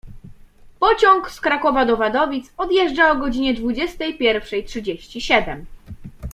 Pociąg z Krakowa do Wadowic odjeżdża o godzinie dwudziestej pierwszej trzydzieści siedem.